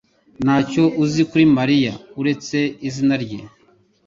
ntacyo azi kuri Mariya uretse izina rye